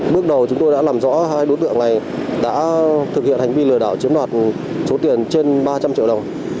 bước đầu chúng tôi đã làm rõ hai đối tượng này đã thực hiện hành vi lừa đảo chiếm đoạt số tiền trên ba trăm linh triệu đồng